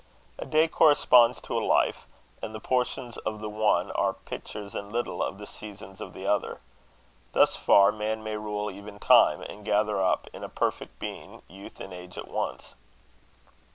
A day corresponds to a life, and the portions of the one are "pictures in little" of the seasons of the other. Thus far man may rule even time, and gather up, in a perfect being, youth and age at once.